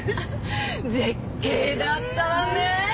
絶景だったわねぇ！